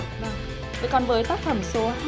với tác phẩm số hai